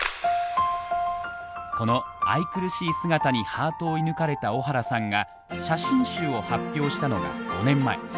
この愛くるしい姿にハートを射ぬかれた小原さんが写真集を発表したのが５年前。